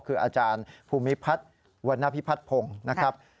คืออาจารย์ภูมิพัฒน์วันนพิพัฒนพงศ์นะครับ